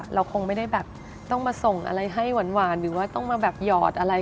เราคงไม่ได้แบบต้องมาส่งอะไรให้หวานหรือว่าต้องมาแบบหยอดอะไร